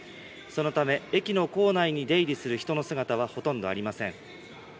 そのため駅の構内に出入りする人の姿はほとんどありません。